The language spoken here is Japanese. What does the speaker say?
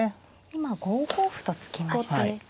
今５五歩と突きました。